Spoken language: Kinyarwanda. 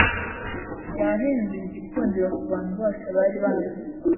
[S] Yahinduye igikundiro kubantu bose bari bahari.